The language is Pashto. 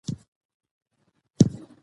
شفافه اداره د فساد مخه نیسي